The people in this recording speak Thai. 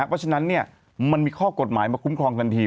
เพราะฉะนั้นมันมีข้อกฎหมายมาคุ้มครองทันที